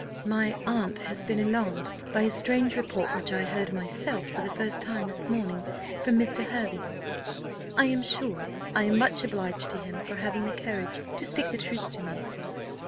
My aunt has been alarmed by a strange report which I heard myself for the first time this morning from Mr. Hervey. I am sure I am much obliged to him for having the courage to speak the truth to me."